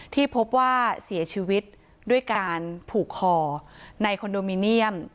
ที่พบว่าเสียชีวิตด้วยการผูกคอในคอนโดมิเนียม